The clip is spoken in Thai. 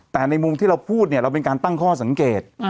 แต่ในมุมที่เราพูดเนี่ยเราเป็นการตั้งข้อสังเกต